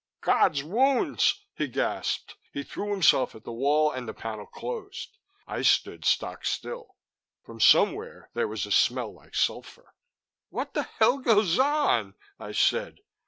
"God's wounds!" he gasped. He threw himself at the wall and the panel closed. I stood stock still; from somewhere there was a smell like sulphur. "What the hell goes on?" I said.